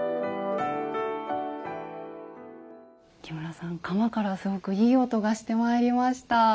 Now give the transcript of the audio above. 木村さん釜からすごくいい音がしてまいりました。